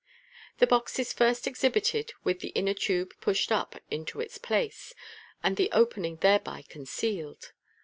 The box is first exhibited with the inner tube pushed up into its place, and the opening thereby concealed.